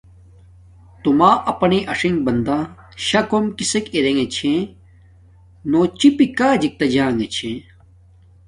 تو ما پانایݵ اݽنݣ بنداشاہ کوم کسک چھاہ نو چی پی کاجک تا جنگے چھے